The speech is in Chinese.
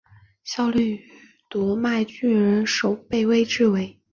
效力于读卖巨人守备位置为。